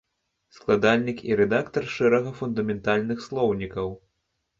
Складальнік і рэдактар шэрага фундаментальных слоўнікаў.